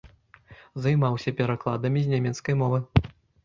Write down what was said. Займаўся перакладамі з нямецкай мовы.